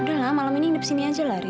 udah lama malam ini hidup sini aja lari